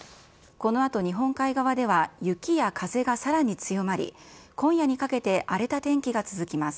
このあと日本海側では、雪や風がさらに強まり、今夜にかけて荒れた天気が続きます。